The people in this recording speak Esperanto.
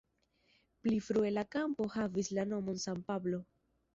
Pli frue la kampo havis la nomon "San Pablo".